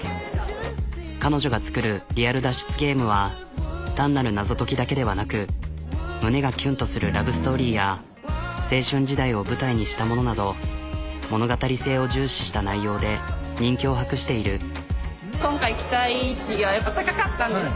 彼女が作るリアル脱出ゲームは単なる謎解きだけではなく胸がキュンとするラブストーリーや青春時代を舞台にしたものなど物語性を重視した内容で人気を博している。